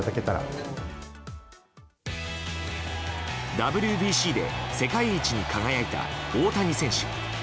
ＷＢＣで世界一に輝いた大谷選手。